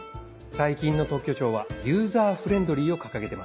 最近の特許庁は「ユーザーフレンドリー」を掲げてます。